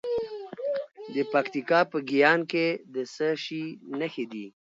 د پکتیکا په ګیان کې د څه شي نښې دي؟